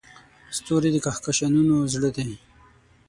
ستوري د کهکشانونو زړه دي.